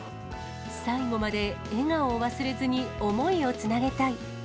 最後まで笑顔を忘れずに想いをつなげたい。